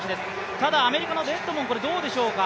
ただアメリカのデッドモンどうでしょうか。